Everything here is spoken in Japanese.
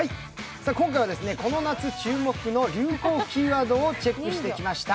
今回はこの夏注目の流行キーワードチェックしてきました。